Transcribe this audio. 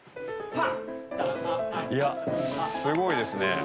いやすごいですね。